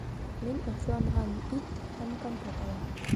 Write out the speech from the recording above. Мин ыҫланған ит һәм компот алам